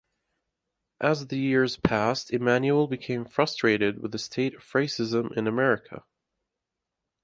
As the years passed Emanuel became frustrated with the state of racism in America.